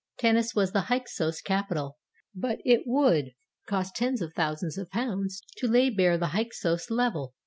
Tanis was the Hyksos capital, but it would cost tens of thousands of pounds to lay bare the Hyksos level.